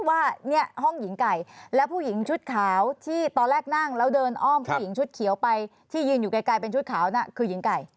ว่าเนี่ยห้องหญิงไก่แล้วผู้หญิงชุดขาวที่ตอนแรกนั่งแล้วเดินอ้อมผู้หญิงชุดเขียวไปที่ยืนอยู่ไกลเป็นชุดขาวน่ะคือหญิงไก่